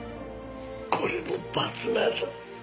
これも罰なんだ。